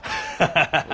ハハハハ。